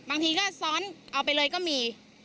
บางทีก็ซ้อนเอาไปเลยก็มี